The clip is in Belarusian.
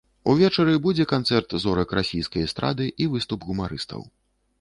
Увечары будзе канцэрт зорак расійскай эстрады і выступ гумарыстаў.